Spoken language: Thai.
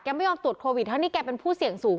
ไม่ยอมตรวจโควิดทั้งที่แกเป็นผู้เสี่ยงสูง